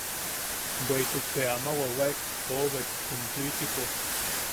Bweʼituk te ama wawaek oʼobek jum Suichipo.